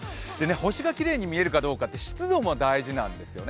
星がきれいに見えるかどうかって湿度も大事なんですよね。